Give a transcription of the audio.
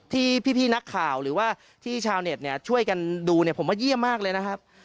ที่พี่นักข่าวหรือว่าที่ชาวเน็ตเนี่ยช่วยกันดูเนี่ยผมว่าเยี่ยมมากเลยนะครับ